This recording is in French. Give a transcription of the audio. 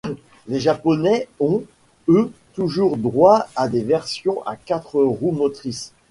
Les Japonais ont, eux, toujours droit à des versions à quatre roues motrices.